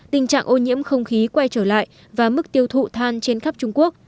tình trạng ô nhiễm không khí quay trở lại và mức tiêu thụ than trên khắp trung quốc